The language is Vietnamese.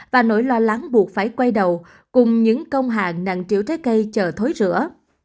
và nỗi lo lắng buộc phải quay đầu cùng những công hạng nặng triều trái cây chờ thối rửa